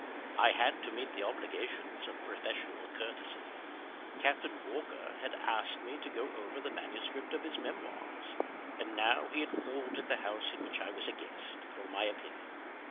I had to meet the obligations of professional courtesy. Captain Walker had asked me to go over the manuscript of his memoirs; and now he had called at the house in which I was a guest, for my opinion.